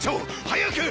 早く！